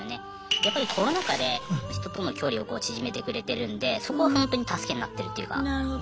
やっぱりコロナ禍で人との距離を縮めてくれてるんでそこはほんとに助けになってるっていうか。